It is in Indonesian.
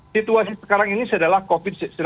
situasi sekarang ini adalah covid